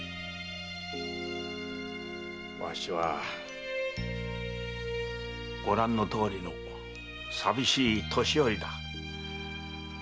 わしはご覧のとおりの寂しい年寄りだ。